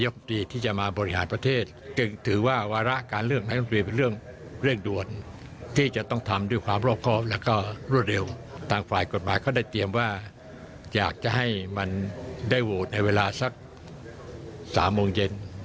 กฎหมายเขาได้เตรียมว่าอยากจะให้มันได้โหวตในเวลาสักสามโมงเย็น